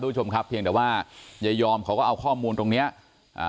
ผู้ชมครับเพียงแต่ว่ายายอมเขาก็เอาข้อมูลตรงเนี้ยอ่า